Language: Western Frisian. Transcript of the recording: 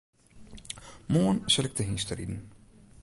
Moarn sil ik te hynsteriden.